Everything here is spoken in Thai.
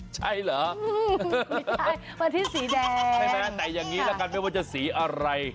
ใช่เหรอไม่ใช่มาที่สีแดงใช่ไหมแต่อย่างนี้ละกันไม่ว่าจะสีอะไร